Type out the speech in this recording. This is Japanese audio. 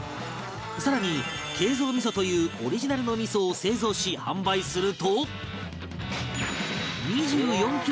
更に敬蔵みそというオリジナルの味噌を製造し販売すると